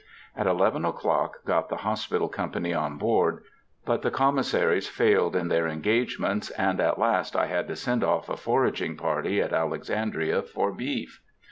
At eleven o'clock got the hospital company on board, but the commissaries failed in their engagements, and at last I had to send off a foraging party at Alexandria for beef.